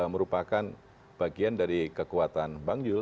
merupakan bagian dari kekuatan bang yul